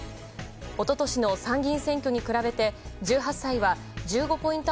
一昨年の参議院選挙に比べて１８歳は１５ポイント